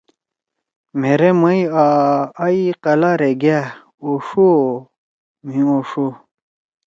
مھیرے مَئی آں آئی قلارے گأ! اوݜو او مھی اوݜو۔